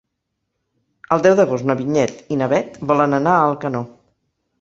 El deu d'agost na Vinyet i na Bet volen anar a Alcanó.